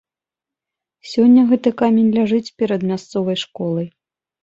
Сёння гэты камень ляжыць перад мясцовай школай.